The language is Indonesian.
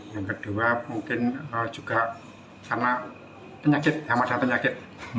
yang kedua mungkin juga karena penyakit yang ada penyakit